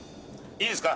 いいですか？